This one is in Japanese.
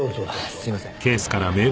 すいません。